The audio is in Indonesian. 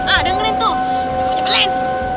ah dengerin tuh nyebelin